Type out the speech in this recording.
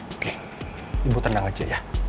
oke ibu tenang aja ya